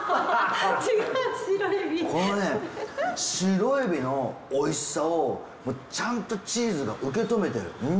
このねシロエビのおいしさをちゃんとチーズが受け止めてる。